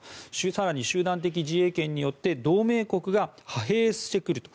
更に、集団的自衛権によって同盟国が派兵してくると。